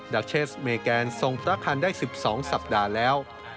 เชสเมแกนทรงพระคันได้๑๒สัปดาห์แล้ว